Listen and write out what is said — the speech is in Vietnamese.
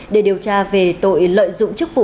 để điều tra về tội lợi dụng chức vụ